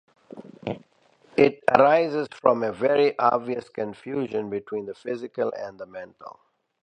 It arises from a very obvious confusion between the physical and the mental.